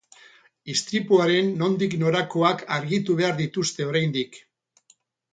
Istripuaren nondik norakoak argitu behar dituzte oraindik.